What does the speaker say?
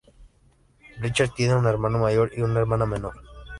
Richard tiene un hermano mayor y una hermana menor.